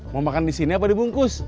mau makan disini apa dibungkus